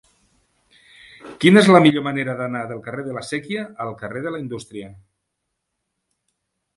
Quina és la millor manera d'anar del carrer de la Sèquia al carrer de la Indústria?